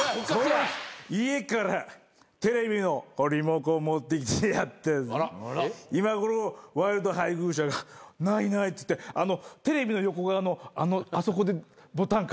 家からテレビのリモコン持ってきてやって今頃ワイルド配偶者がないないっつってテレビの横側のあそこでボタン変えてるころだぜぇ。